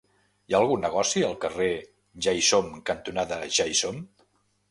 Hi ha algun negoci al carrer Ja-hi-som cantonada Ja-hi-som?